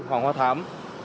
hoàng hoa thám